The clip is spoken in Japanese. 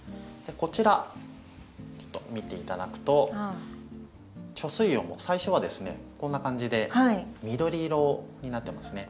こちらちょっと見て頂くと貯水葉も最初はですねこんな感じで緑色になってますね。